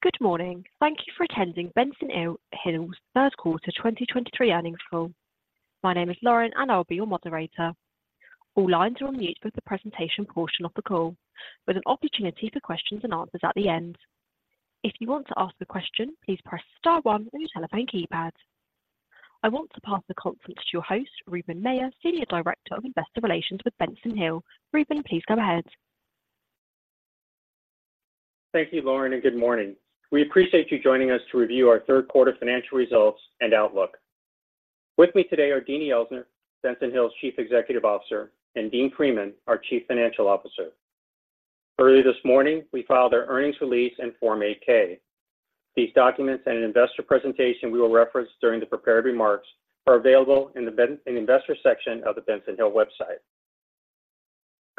Good morning. Thank you for attending Benson Hill's third quarter 2023 earnings call. My name is Lauren, and I'll be your moderator. All lines are on mute for the presentation portion of the call, with an opportunity for questions and answers at the end. If you want to ask a question, please press star one on your telephone keypad. I want to pass the conference to your host, Ruben Mella, Senior Director of Investor Relations with Benson Hill. Ruben, please go ahead. Thank you, Lauren, and good morning. We appreciate you joining us to review our third quarter financial results and outlook. With me today are Deanie Elsner, Benson Hill's Chief Executive Officer, and Dean Freeman, our Chief Financial Officer. Earlier this morning, we filed our earnings release and Form 8-K. These documents and an investor presentation we will reference during the prepared remarks are available in the investor section of the Benson Hill website.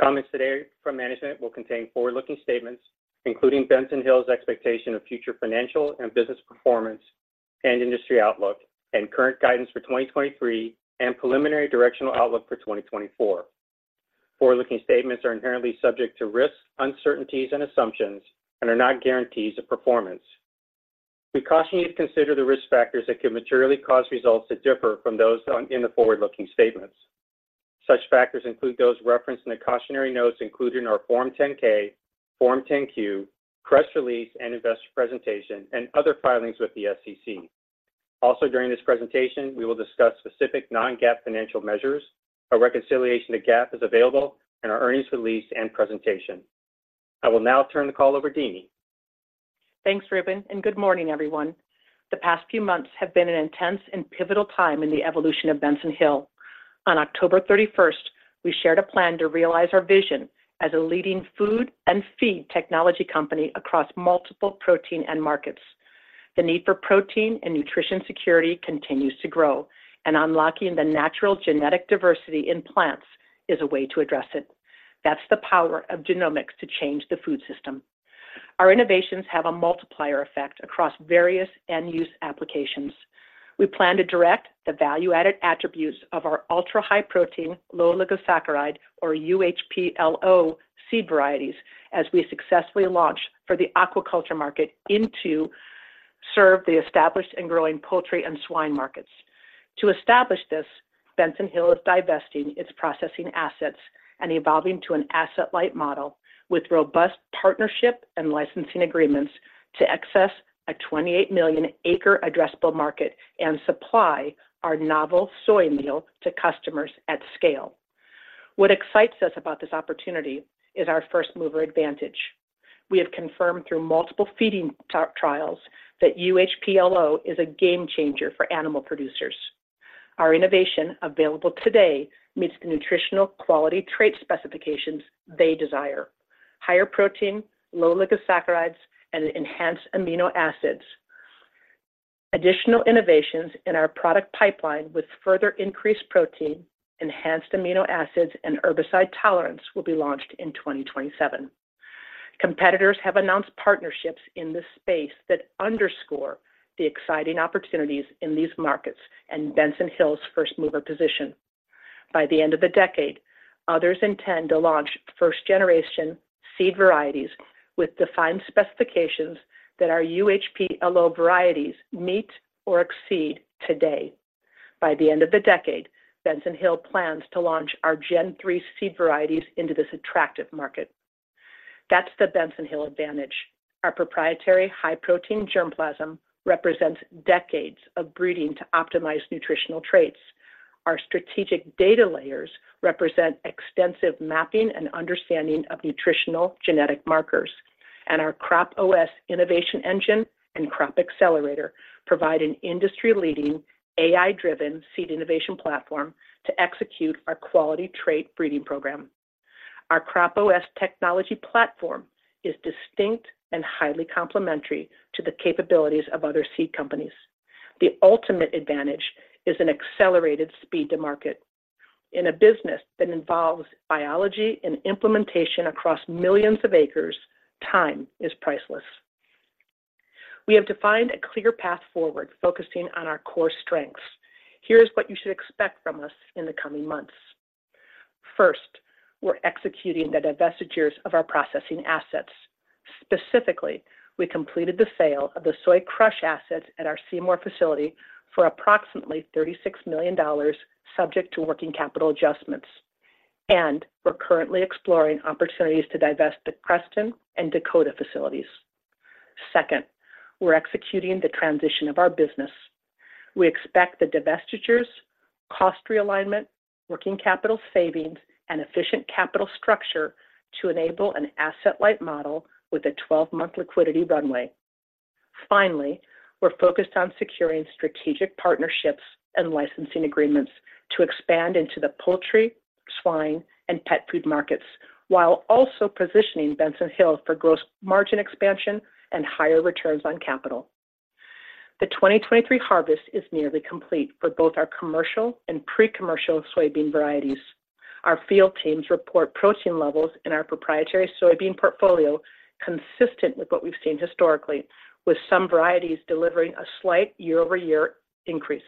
Comments today from management will contain forward-looking statements, including Benson Hill's expectation of future financial and business performance and industry outlook, and current guidance for 2023, and preliminary directional outlook for 2024. Forward-looking statements are inherently subject to risks, uncertainties and assumptions and are not guarantees of performance. We caution you to consider the risk factors that could materially cause results to differ from those in the forward-looking statements. Such factors include those referenced in the cautionary notes included in our Form 10-K, Form 10-Q, press release, and investor presentation, and other filings with the SEC. Also, during this presentation, we will discuss specific non-GAAP financial measures. A reconciliation to GAAP is available in our earnings release and presentation. I will now turn the call over to Deanie. Thanks, Ruben, and good morning, everyone. The past few months have been an intense and pivotal time in the evolution of Benson Hill. On October thirty-first, we shared a plan to realize our vision as a leading food and feed technology company across multiple protein end markets. The need for protein and nutrition security continues to grow, and unlocking the natural genetic diversity in plants is a way to address it. That's the power of genomics to change the food system. Our innovations have a multiplier effect across various end-use applications. We plan to direct the value-added attributes of our Ultra-High Protein, Low Oligosaccharide, or UHPLO seed varieties, as we successfully launch for the aquaculture market to serve the established and growing poultry and swine markets. To establish this, Benson Hill is divesting its processing assets and evolving to an asset-light model with robust partnership and licensing agreements to access a 28 million acre addressable market and supply our novel soy meal to customers at scale. What excites us about this opportunity is our first-mover advantage. We have confirmed through multiple feeding trials that UHPLO is a game changer for animal producers. Our innovation, available today, meets the nutritional quality trait specifications they desire: higher protein, low oligosaccharides, and enhanced amino acids. Additional innovations in our product pipeline with further increased protein, enhanced amino acids, and herbicide tolerance will be launched in 2027. Competitors have announced partnerships in this space that underscore the exciting opportunities in these markets and Benson Hill's first-mover position. By the end of the decade, others intend to launch first-generation seed varieties with defined specifications that our UHPLO varieties meet or exceed today. By the end of the decade, Benson Hill plans to launch our Gen 3 seed varieties into this attractive market. That's the Benson Hill advantage. Our proprietary high-protein germplasm represents decades of breeding to optimize nutritional traits. Our strategic data layers represent extensive mapping and understanding of nutritional genetic markers, and our CropOS innovation engine and Crop Accelerator provide an industry-leading, AI-driven seed innovation platform to execute our quality trait breeding program. Our CropOS technology platform is distinct and highly complementary to the capabilities of other seed companies. The ultimate advantage is an accelerated speed to market. In a business that involves biology and implementation across millions of acres, time is priceless. We have defined a clear path forward, focusing on our core strengths. Here's what you should expect from us in the coming months. First, we're executing the divestitures of our processing assets. Specifically, we completed the sale of the soy crush assets at our Seymour facility for approximately $36 million, subject to working capital adjustments. We're currently exploring opportunities to divest the Creston and Dakota facilities. Second, we're executing the transition of our business. We expect the divestitures, cost realignment, working capital savings, and efficient capital structure to enable an asset-light model with a 12-month liquidity runway. Finally, we're focused on securing strategic partnerships and licensing agreements to expand into the poultry, swine, and pet food markets, while also positioning Benson Hill for gross margin expansion and higher returns on capital. The 2023 harvest is nearly complete for both our commercial and pre-commercial soybean varieties. Our field teams report protein levels in our proprietary soybean portfolio, consistent with what we've seen historically, with some varieties delivering a slight year-over-year increase.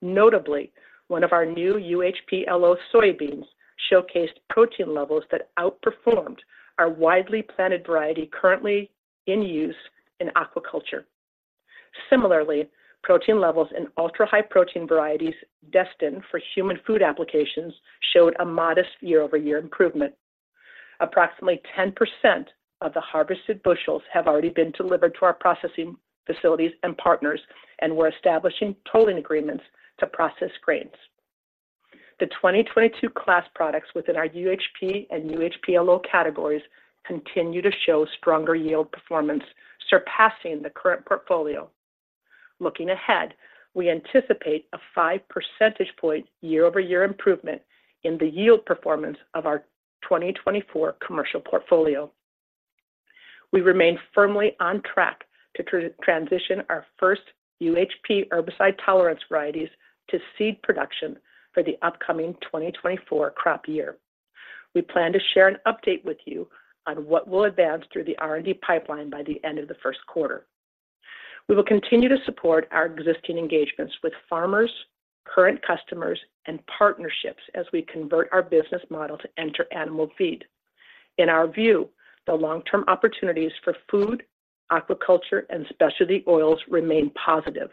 Notably, one of our new UHPLO soybeans showcased protein levels that outperformed our widely planted variety currently in use in aquaculture. Similarly, protein levels in ultra-high protein varieties destined for human food applications showed a modest year-over-year improvement. Approximately 10% of the harvested bushels have already been delivered to our processing facilities and partners, and we're establishing tolling agreements to process grains. The 2022 class products within our UHP and UHPLO categories continue to show stronger yield performance, surpassing the current portfolio. Looking ahead, we anticipate a 5 percentage point year-over-year improvement in the yield performance of our 2024 commercial portfolio. We remain firmly on track to transition our first UHP herbicide-tolerant varieties to seed production for the upcoming 2024 crop year. We plan to share an update with you on what will advance through the R&D pipeline by the end of the first quarter. We will continue to support our existing engagements with farmers, current customers, and partnerships as we convert our business model to enter animal feed. In our view, the long-term opportunities for food, aquaculture, and specialty oils remain positive.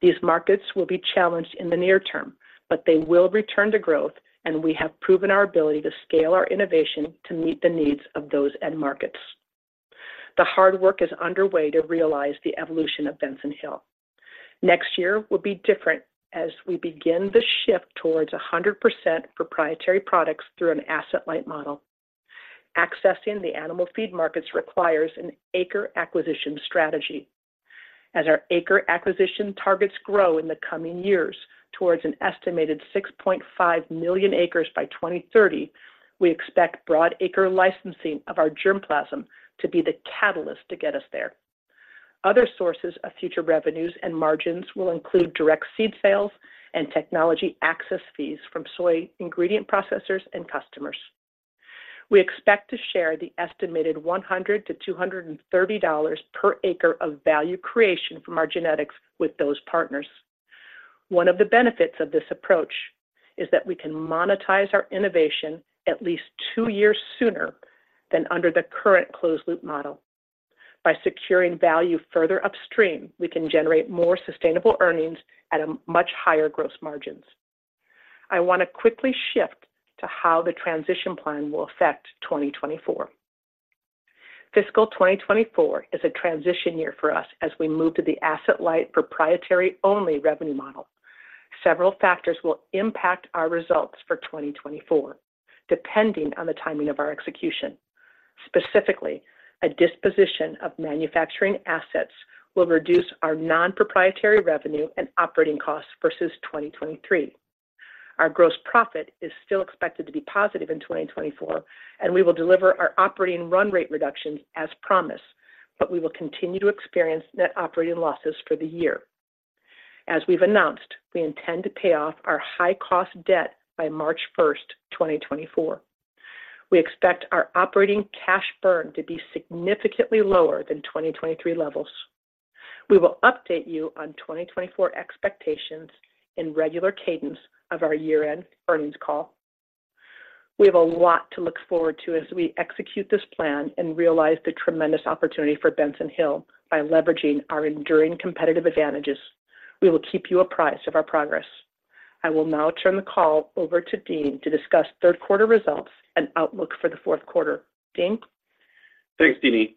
These markets will be challenged in the near term, but they will return to growth, and we have proven our ability to scale our innovation to meet the needs of those end markets. The hard work is underway to realize the evolution of Benson Hill. Next year will be different as we begin the shift towards 100% proprietary products through an asset-light model. Accessing the animal feed markets requires an acre acquisition strategy. As our acre acquisition targets grow in the coming years towards an estimated 6.5 million acres by 2030, we expect broad acre licensing of our germplasm to be the catalyst to get us there. Other sources of future revenues and margins will include direct seed sales and technology access fees from soy ingredient processors and customers. We expect to share the estimated $100-$230 per acre of value creation from our genetics with those partners. One of the benefits of this approach is that we can monetize our innovation at least two years sooner than under the current closed-loop model. By securing value further upstream, we can generate more sustainable earnings at a much higher gross margins. I want to quickly shift to how the transition plan will affect 2024. Fiscal 2024 is a transition year for us as we move to the asset-light, proprietary-only revenue model. Several factors will impact our results for 2024, depending on the timing of our execution. Specifically, a disposition of manufacturing assets will reduce our non-proprietary revenue and operating costs versus 2023. Our gross profit is still expected to be positive in 2024, and we will deliver our operating run rate reductions as promised, but we will continue to experience net operating losses for the year. As we've announced, we intend to pay off our high-cost debt by March 1, 2024. We expect our operating cash burn to be significantly lower than 2023 levels. We will update you on 2024 expectations in regular cadence of our year-end earnings call. We have a lot to look forward to as we execute this plan and realize the tremendous opportunity for Benson Hill by leveraging our enduring competitive advantages. We will keep you apprised of our progress. I will now turn the call over to Dean to discuss third quarter results and outlook for the fourth quarter. Dean? Thanks, Deanie,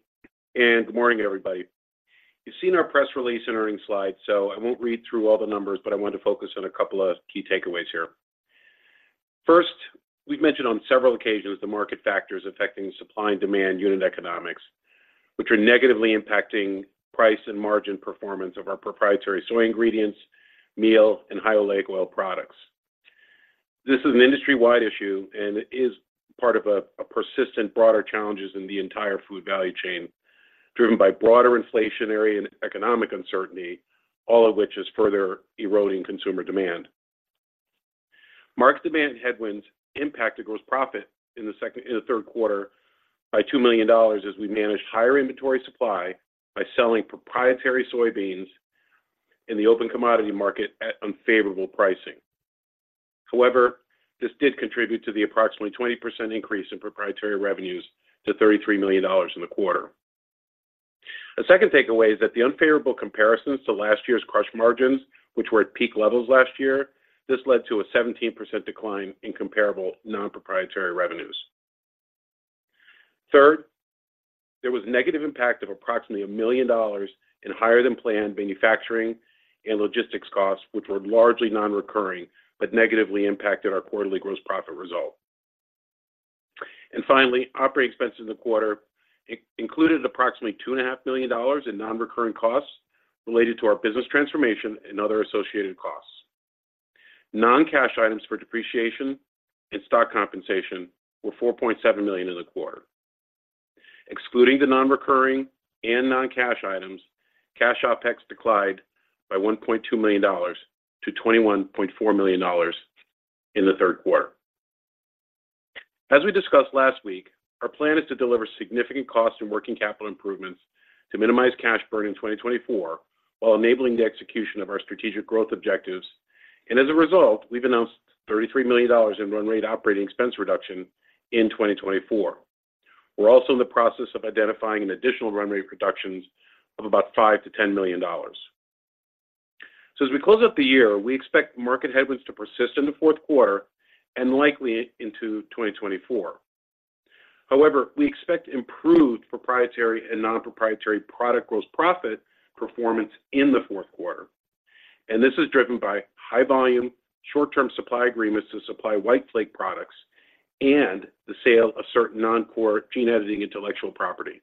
and good morning, everybody. You've seen our press release and earnings slides, so I won't read through all the numbers, but I want to focus on a couple of key takeaways here. First, we've mentioned on several occasions the market factors affecting supply and demand unit economics, which are negatively impacting price and margin performance of our proprietary soy ingredients, meal, and high oleic oil products. This is an industry-wide issue, and it is part of a persistent, broader challenges in the entire food value chain, driven by broader inflationary and economic uncertainty, all of which is further eroding consumer demand. Market-to-demand headwinds impacted gross profit in the third quarter by $2 million as we managed higher inventory supply by selling proprietary soybeans in the open commodity market at unfavorable pricing. However, this did contribute to the approximately 20% increase in proprietary revenues to $33 million in the quarter. A second takeaway is that the unfavorable comparisons to last year's crush margins, which were at peak levels last year, this led to a 17% decline in comparable non-proprietary revenues. Third, there was a negative impact of approximately $1 million in higher-than-planned manufacturing and logistics costs, which were largely non-recurring but negatively impacted our quarterly gross profit result. And finally, operating expenses in the quarter included approximately $2.5 million in non-recurring costs related to our business transformation and other associated costs. Non-cash items for depreciation and stock compensation were $4.7 million in the quarter. Excluding the non-recurring and non-cash items, cash OpEx declined by $1.2 million to $21.4 million in the third quarter. As we discussed last week, our plan is to deliver significant cost and working capital improvements to minimize cash burn in 2024, while enabling the execution of our strategic growth objectives. And as a result, we've announced $33 million in run rate operating expense reduction in 2024. We're also in the process of identifying an additional run rate reductions of about $5-$10 million. So as we close out the year, we expect market headwinds to persist in the fourth quarter and likely into 2024. However, we expect improved proprietary and non-proprietary product gross profit performance in the fourth quarter, and this is driven by high volume, short-term supply agreements to supply white flake products and the sale of certain noncore gene editing intellectual property.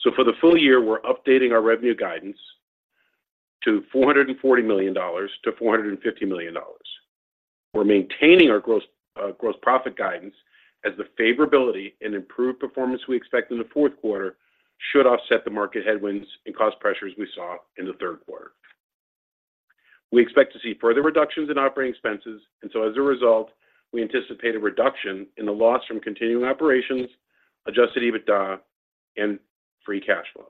So for the full year, we're updating our revenue guidance to $440 million-$450 million. We're maintaining our gross, gross profit guidance as the favorability and improved performance we expect in the fourth quarter should offset the market headwinds and cost pressures we saw in the third quarter. We expect to see further reductions in operating expenses, and so as a result, we anticipate a reduction in the loss from continuing operations, Adjusted EBITDA and free cash flow.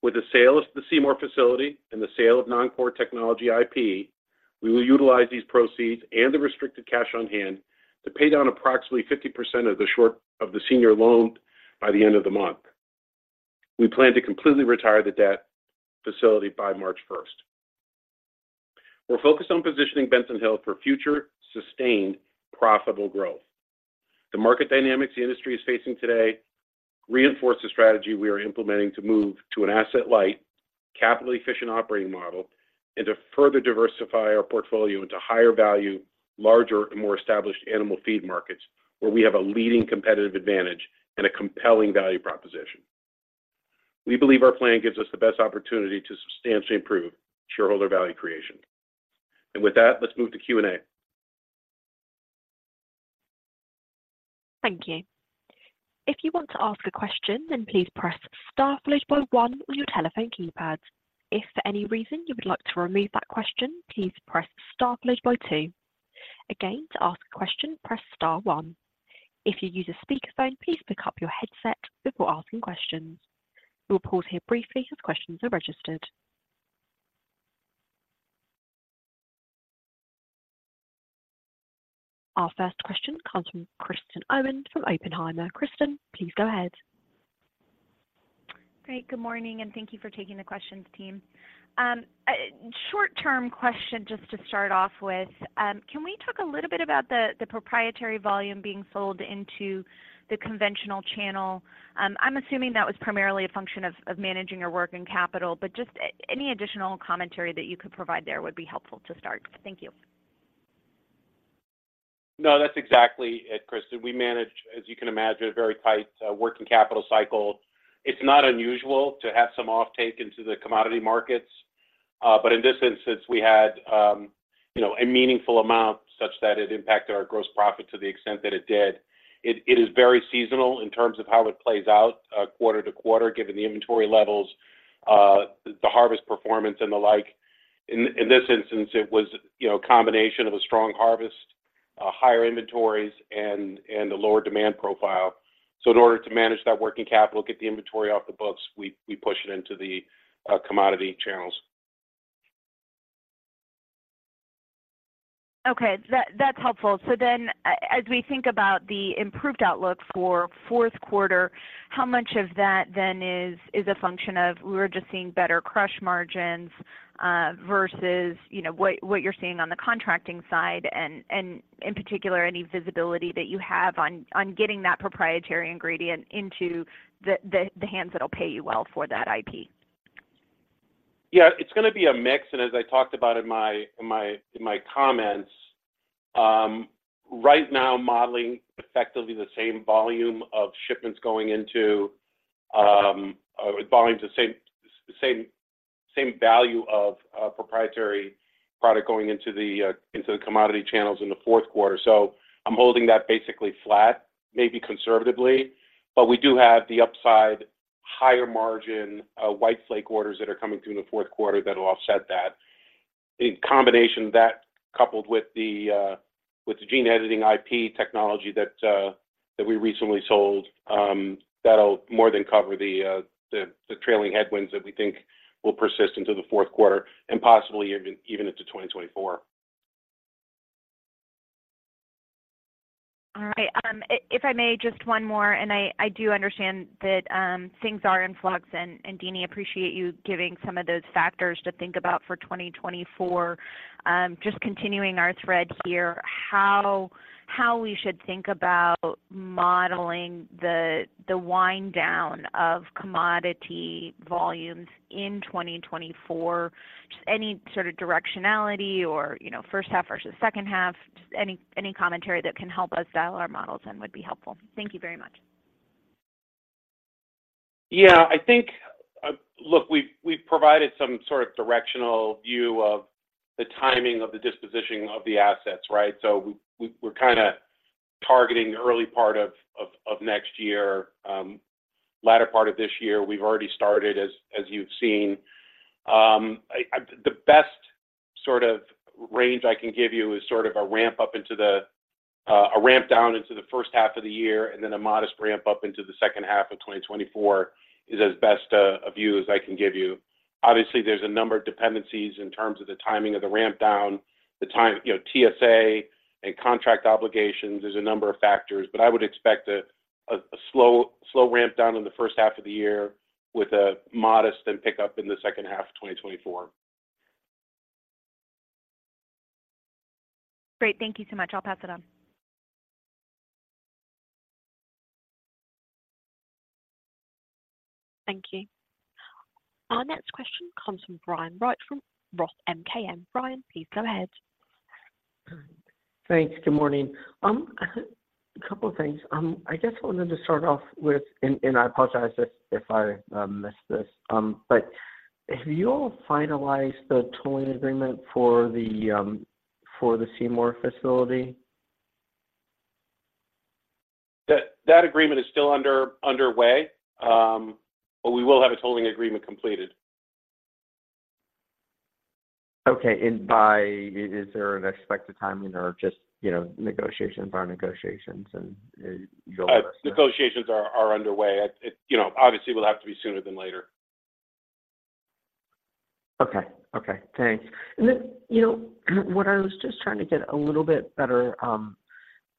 With the sale of the Seymour facility and the sale of noncore technology IP, we will utilize these proceeds and the restricted cash on hand to pay down approximately 50% of the senior loan by the end of the month. We plan to completely retire the debt facility by March first. We're focused on positioning Benson Hill for future, sustained, profitable growth. The market dynamics the industry is facing today reinforce the strategy we are implementing to move to an asset-light, capital-efficient operating model and to further diversify our portfolio into higher value, larger and more established animal feed markets, where we have a leading competitive advantage and a compelling value proposition. We believe our plan gives us the best opportunity to substantially improve shareholder value creation. And with that, let's move to Q&A. Thank you. If you want to ask a question, then please press star followed by one on your telephone keypad. If for any reason you would like to remove that question, please press star followed by two. Again, to ask a question, press star one. If you use a speakerphone, please pick up your headset before asking questions. We will pause here briefly as questions are registered. Our first question comes from Kristen Owen from Oppenheimer. Kristen, please go ahead. Great, good morning, and thank you for taking the questions, team. Short-term question just to start off with, can we talk a little bit about the, the proprietary volume being sold into the conventional channel? I'm assuming that was primarily a function of, of managing your working capital, but just any additional commentary that you could provide there would be helpful to start. Thank you. No, that's exactly it, Kristen. We manage, as you can imagine, a very tight, working capital cycle. It's not unusual to have some offtake into the commodity markets, but in this instance, we had, you know, a meaningful amount such that it impacted our gross profit to the extent that it did. It, it is very seasonal in terms of how it plays out, quarter to quarter, given the inventory levels, the harvest performance and the like. In, in this instance, it was, you know, a combination of a strong harvest, higher inventories and, and a lower demand profile. So in order to manage that working capital, get the inventory off the books, we, we push it into the, commodity channels. Okay, that's helpful. So then, as we think about the improved outlook for fourth quarter, how much of that then is a function of we're just seeing better crush margins, versus, you know, what you're seeing on the contracting side, and in particular, any visibility that you have on getting that proprietary ingredient into the hands that will pay you well for that IP? Yeah, it's going to be a mix, and as I talked about in my comments, right now, modeling effectively the same volume of shipments going into the same value of proprietary product going into the commodity channels in the fourth quarter. So I'm holding that basically flat, maybe conservatively, but we do have the upside, higher margin white flake orders that are coming through in the fourth quarter that will offset that. In combination, that coupled with the gene editing IP technology that we recently sold, that'll more than cover the trailing headwinds that we think will persist into the fourth quarter and possibly even into 2024. All right. If I may, just one more, and I, I do understand that, things are in flux, and, and Deanie, appreciate you giving some of those factors to think about for 2024. Just continuing our thread here, how, how we should think about modeling the, the wind down of commodity volumes in 2024? Just any sort of directionality or, you know, first half versus second half, just any, any commentary that can help us dial our models in would be helpful. Thank you very much. Yeah, I think, look, we've provided some sort of directional view of the timing of the disposition of the assets, right? So we're kind of targeting the early part of next year. Latter part of this year. We've already started, as, as you've seen. I, the best sort of range I can give you is sort of a ramp up into the a ramp down into the first half of the year, and then a modest ramp up into the second half of 2024, is as best a view as I can give you. Obviously, there's a number of dependencies in terms of the timing of the ramp down, the time, you know, TSA and contract obligations. There's a number of factors, but I would expect a slow ramp down in the first half of the year, with a modest then pickup in the second half of 2024. Great. Thank you so much. I'll pass it on. Thank you. Our next question comes from Brian Wright from ROTH MKM. Brian, please go ahead. Thanks. Good morning. A couple of things. I just wanted to start off with. I apologize if I missed this, but have you all finalized the tolling agreement for the Seymour facility? That, that agreement is still underway, but we will have a tolling agreement completed. Okay. And by... Is there an expected timing or just, you know, negotiations by negotiations and, you all- Negotiations are underway. It, you know, obviously, will have to be sooner than later. Okay. Okay, thanks. And then, you know, what I was just trying to get a little bit better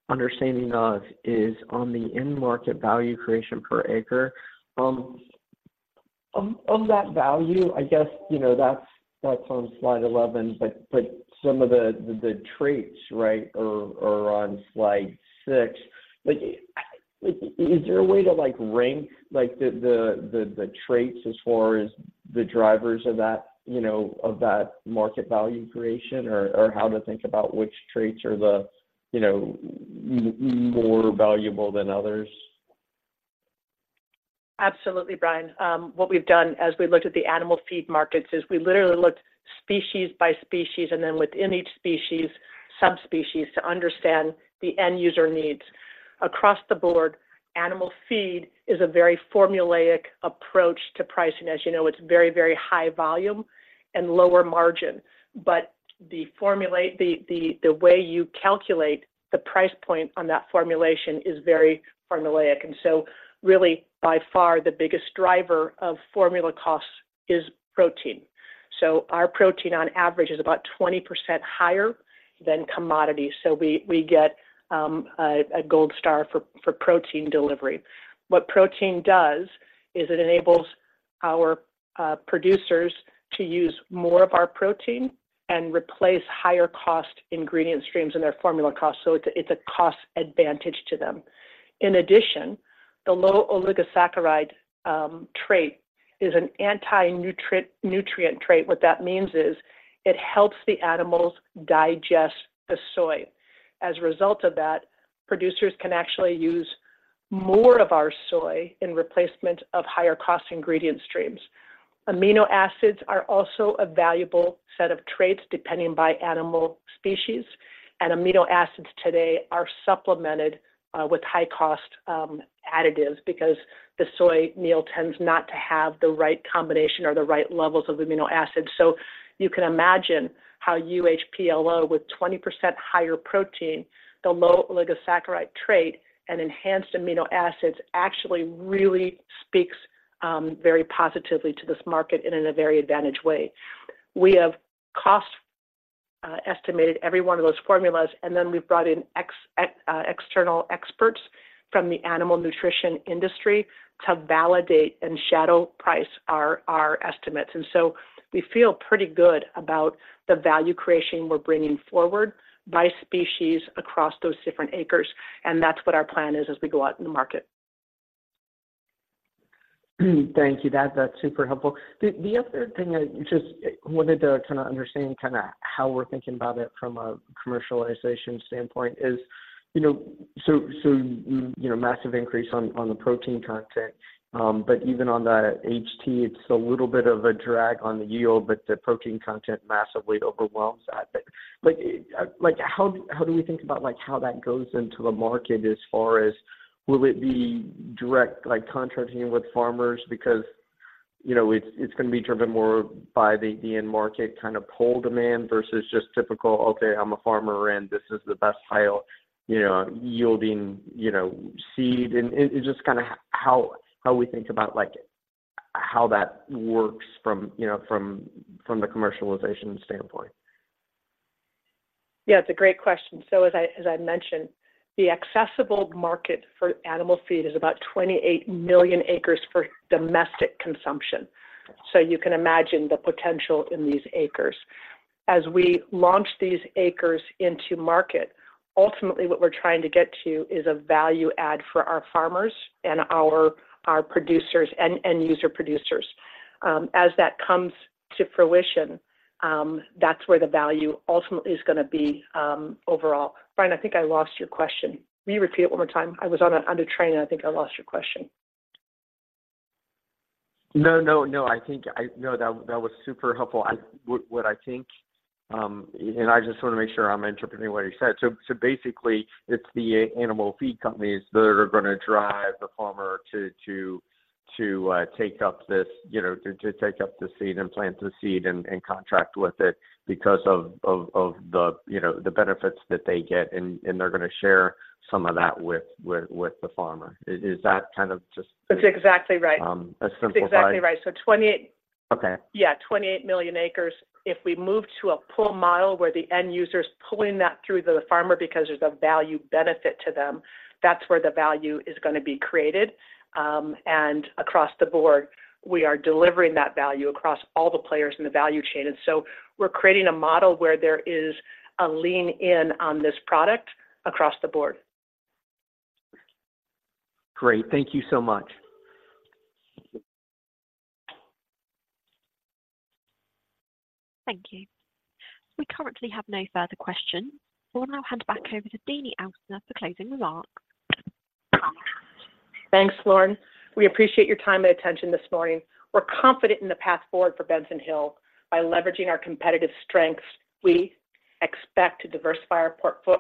understanding of is on the end market value creation per acre. On that value, I guess, you know, that's on slide 11, but some of the traits, right, are on slide 6. Like, is there a way to, like, rank, like, the traits as far as the drivers of that, you know, of that market value creation, or how to think about which traits are the, you know, more valuable than others? Absolutely, Brian. What we've done as we looked at the animal feed markets is we literally looked species by species, and then within each species, subspecies, to understand the end user needs. Across the board, animal feed is a very formulaic approach to pricing. As you know, it's very, very high volume and lower margin, but the way you calculate the price point on that formulation is very formulaic. And so really, by far, the biggest driver of formula costs is protein. So our protein, on average, is about 20% higher than commodity. So we get a gold star for protein delivery. What protein does is it enables our producers to use more of our protein and replace higher-cost ingredient streams in their formula cost, so it's a cost advantage to them. In addition, the low oligosaccharide trait is an anti-nutrient, nutrient trait. What that means is it helps the animals digest the soy. As a result of that, producers can actually use more of our soy in replacement of higher-cost ingredient streams. Amino acids are also a valuable set of traits, depending by animal species, and amino acids today are supplemented with high-cost additives because the soy meal tends not to have the right combination or the right levels of amino acids. So you can imagine how UHPLO with 20% higher protein, the low oligosaccharide trait and enhanced amino acids actually really speaks very positively to this market and in a very advantaged way. We have cost estimated every one of those formulas, and then we've brought in external experts from the animal nutrition industry to validate and shadow price our estimates. And so we feel pretty good about the value creation we're bringing forward by species across those different acres, and that's what our plan is as we go out in the market. Thank you. That's super helpful. The other thing I just wanted to kind of understand, kind of how we're thinking about it from a commercialization standpoint is, you know, so, so, you know, massive increase on the protein content, but even on the HT, it's a little bit of a drag on the yield, but the protein content massively overwhelms that. But, like, like, how do we think about, like, how that goes into the market as far as will it be direct, like, contracting with farmers? Because, you know, it's, it's gonna be driven more by the end market, kind of pull demand versus just typical, "Okay, I'm a farmer, and this is the best high, you know, yielding, you know, seed." And just kinda how we think about, like, how that works from, you know, from the commercialization standpoint. Yeah, it's a great question. So as I mentioned, the accessible market for animal feed is about 28 million acres for domestic consumption. So you can imagine the potential in these acres. As we launch these acres into market, ultimately, what we're trying to get to is a value add for our farmers and our producers and end user producers. As that comes to fruition, that's where the value ultimately is gonna be, overall. Brian, I think I lost your question. Will you repeat it one more time? I was on a train, and I think I lost your question. No, no, no, I think. No, that was super helpful. What I think, and I just wanna make sure I'm interpreting what you said. So, basically, it's the animal feed companies that are gonna drive the farmer to take up this, you know, to take up the seed and plant the seed and contract with it because of the benefits that they get, and they're gonna share some of that with the farmer. Is that kind of just- That's exactly right. A simplified- That's exactly right. So twenty- Okay. Yeah, 28 million acres. If we move to a pull model where the end user is pulling that through the farmer because there's a value benefit to them, that's where the value is gonna be created. And across the board, we are delivering that value across all the players in the value chain. And so we're creating a model where there is a lean in on this product across the board. Great. Thank you so much. Thank you. We currently have no further questions. We'll now hand back over to Deanie Elsner for closing remarks. Thanks, Lauren. We appreciate your time and attention this morning. We're confident in the path forward for Benson Hill. By leveraging our competitive strengths, we expect to diversify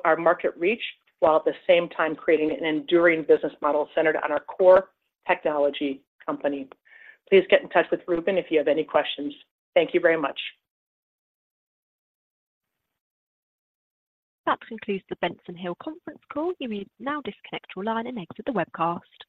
our market reach, while at the same time creating an enduring business model centered on our core technology company. Please get in touch with Ruben if you have any questions. Thank you very much. That concludes the Benson Hill conference call. You may now disconnect your line and exit the webcast.